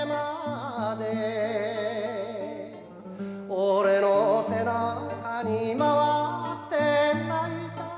「俺の背中にまわって泣いた」